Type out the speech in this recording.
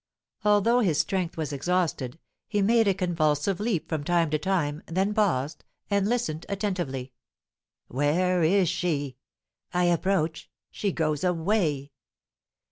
Although his strength was exhausted, he made a convulsive leap from time to time, then paused, and listened attentively. "Where is she? I approach she goes away.